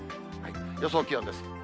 予想気温です。